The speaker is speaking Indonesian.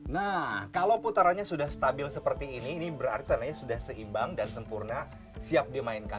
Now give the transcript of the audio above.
nah kalau putarannya sudah stabil seperti ini ini berarti tanahnya sudah seimbang dan sempurna siap dimainkan